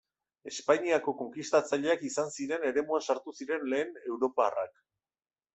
Espainiako konkistatzaileak izan ziren eremuan sartu ziren lehen europarrak.